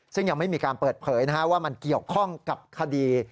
ซึ่งยังไม่มีการเปิดเผยว่ามันเกี่ยวข้องกับคดี